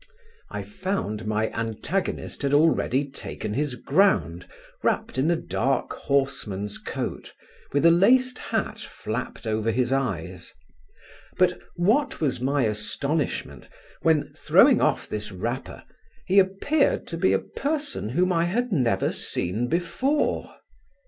I found my antagonist had already taken his ground, wrapped in a dark horseman's coat, with a laced hat flapped over his eyes; but what was my astonishment, when, throwing off this wrapper, he appeared to be a person whom I had never seen before!